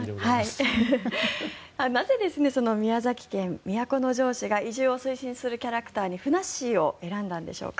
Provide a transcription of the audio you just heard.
なぜ宮崎県都城市が移住を推進するキャラクターにふなっしーを選んだんでしょうか。